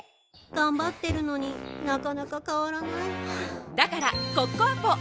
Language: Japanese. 頑張ってるのになかなか変わらないはぁだからコッコアポ！